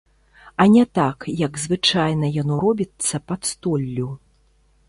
А не так, як звычайна яно робіцца пад столлю.